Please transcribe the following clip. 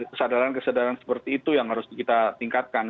kesadaran kesadaran seperti itu yang harus kita tingkatkan